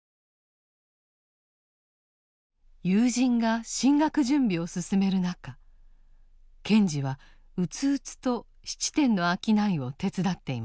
友人が進学準備を進める中賢治は鬱々と質店の商いを手伝っていました。